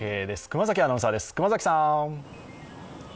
熊崎アナウンサーです。